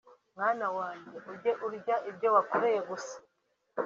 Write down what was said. "Mwana wanjye ujye urya ibyo wakoreye gusa